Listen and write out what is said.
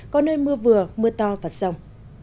có nơi mưa vừa mưa to và sông